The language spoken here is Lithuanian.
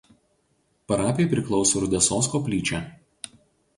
Parapijai priklauso Rudesos koplyčia.